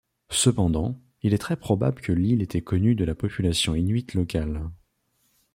Cependant, il est très probable que l'île était connue de la population inuite locale.